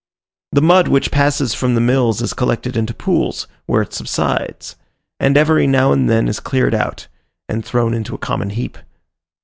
The mud which passes from the mills is collected into pools, where it subsides, and every now and then is cleared out, and thrown into a common heap.